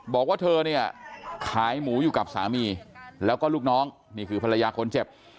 บอกว่าเธอเนี่ยขายหมูอยู่กับสามีแล้วก็ลูกน้องนี่คือภรรยาคนเจ็บ